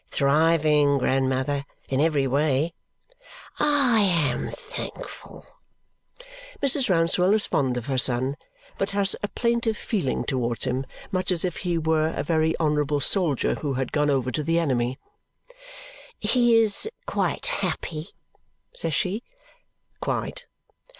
"Thriving, grandmother, in every way." "I am thankful!" Mrs. Rouncewell is fond of her son but has a plaintive feeling towards him, much as if he were a very honourable soldier who had gone over to the enemy. "He is quite happy?" says she. "Quite."